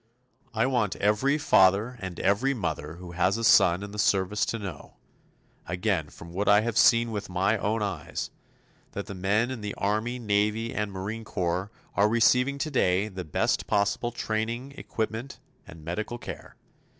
I want every father and every mother who has a son in the service to know again, from what I have seen with my own eyes that the men in the Army, Navy and Marine Corps are receiving today the best possible training, equipment and medical care.